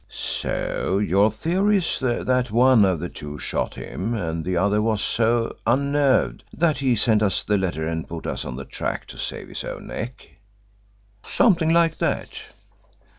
"So your theory is that one of the two shot him, and the other was so unnerved that he sent us the letter and put us on the track to save his own neck?" "Something like that."